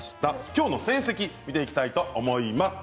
今日の成績見ていきたいと思います。